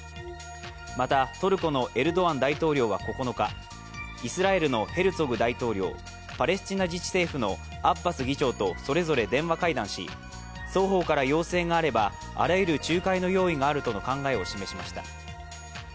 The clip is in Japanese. また、トルコのエルドアン大統領は９日、イスラエルのヘルツォグ大統領、パレスチナ自治政府のアッバス議長とそれぞれ電話会談し双方から要請があれば、あらゆる仲介の用意があるとの考えを示しました。